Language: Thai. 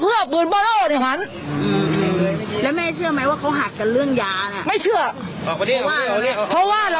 เขาไม่ได้มีเจตนาจริงแม่เชื่อไหมกับคุณ